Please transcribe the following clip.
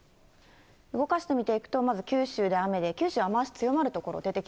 動かして見ていくと、まず九州で雨、九州では雨足強まる所出てき